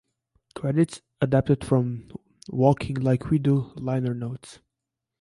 Credits adapted from "Walking Like We Do" liner notes.